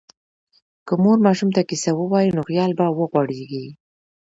که مور ماشوم ته کیسه ووایي، نو خیال به وغوړېږي.